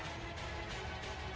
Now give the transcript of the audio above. dan kita saksikan bersama